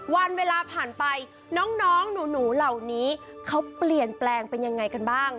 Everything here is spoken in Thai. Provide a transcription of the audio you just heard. วันเวลาผ่านไปน้องหนูเหล่านี้เขาเปลี่ยนแปลงเป็นยังไงกันบ้าง